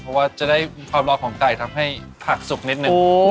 เพราะว่าจะได้ความร้อนของไก่ทำให้ผักสุกนิดนึง